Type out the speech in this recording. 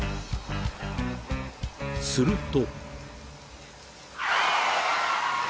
［すると］